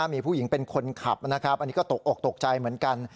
มีผู้หญิงเป็นคนขับนะครับอันนี้ก็ตกอกตกใจเหมือนกัน